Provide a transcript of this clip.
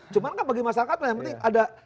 cuma kan bagi masyarakat yang penting ada